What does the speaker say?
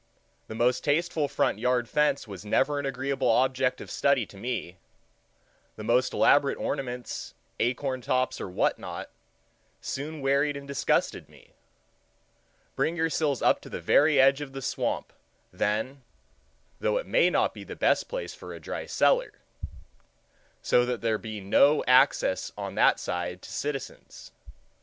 The most tasteful front yard fence was never an agreeable object of study to me; the most elaborate ornaments, acorn tops, or what not, soon wearied and disgusted me. Bring your sills up to the very edge of the swamp, then (though it may not be the best place for a dry cellar,) so that there be no access on that side to citizens.